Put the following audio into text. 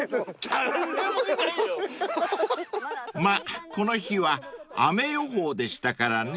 ［まぁこの日は雨予報でしたからね］